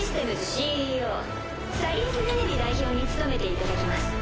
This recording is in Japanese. ＣＥＯサリウス・ゼネリ代表に務めていただきます。